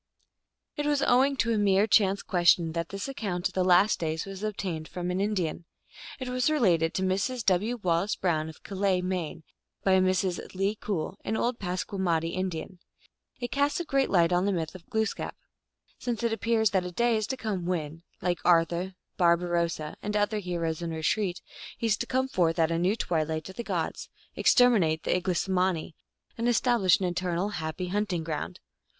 It was owing to a mere chance question that this account of the Last Day was obtained from an Indian. It was related to Mrs. W. Wallace Brown, of Calais, Maine, by Mrs. Le Cool, an old Passamaquoddy In dian. It casts a great light on the myth of Glooskap, since it appears that a day is to come when, like Ar thur, Barbarossa, and other heroes in retreat, he is to come forth at a new twilight of the gods, exterminate the Iglesmani, and establish an eternal happy hunt ing ground.